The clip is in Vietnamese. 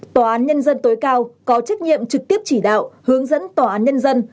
tòa án nhân dân tối cao có trách nhiệm trực tiếp chỉ đạo hướng dẫn tòa án nhân dân